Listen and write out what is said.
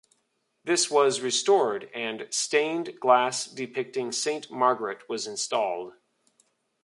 This was restored and stained glass depicting Saint Margaret was installed.